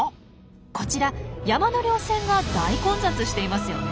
こちら山の稜線が大混雑していますよね。